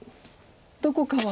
どこかは。